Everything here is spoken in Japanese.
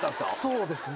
そうですか。